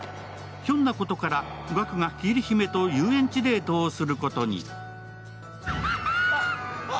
ひょんなことからガクが桐姫と遊園地デートをすることに。